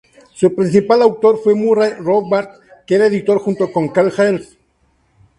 Su principal autor fue Murray Rothbard, que era editor, junto con Karl Hess.